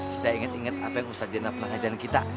kita inget inget apa yang ustaz zena pernah ngajakin kita